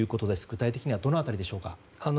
具体的にはどの辺りでしょうか。